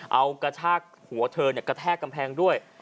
เอากระชากหัวเธอกระแทกกำแพงด้วย